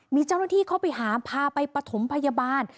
มีเจ้าหน้าที่เข้าไปหาพาไปปฐมพยาบาล